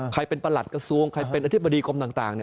ใครเป็นอธิบดีกรมใครเป็นประหลัดกระทรวง